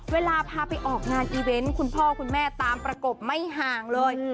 เวลาพาไปออกงานอีเวนต์คุณพ่อคุณแม่ตามประกบไม่ห่างเลย